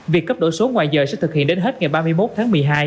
việc cấp đổi số ngoài giờ sẽ thực hiện đến hết ngày ba mươi một tháng một mươi hai